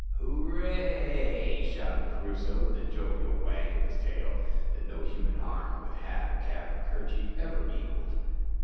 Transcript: "Hoora a a y!" shouted Crusoe, with a jovial wag of his tail, that no human arm with hat, or cap, or kerchief ever equalled.